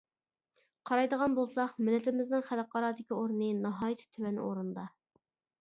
قارايدىغان بولساق مىللىتىمىزنىڭ خەلقئارادىكى ئورنى ناھايىتى تۆۋەن ئورۇندا.